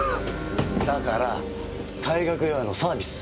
だから退学祝いのサービス。